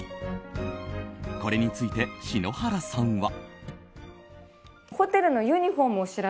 これについて、篠原さんは。